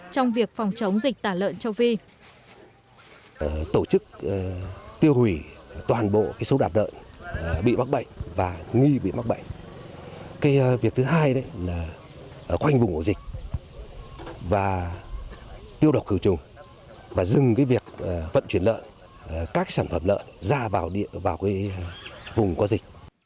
trong việc phòng chống dịch tả lợn châu phi